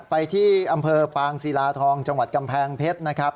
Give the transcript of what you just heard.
ไปที่อำเภอปางศิลาทองจังหวัดกำแพงเพชรนะครับ